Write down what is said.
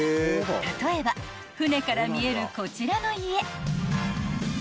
［例えば舟から見えるこちらの家］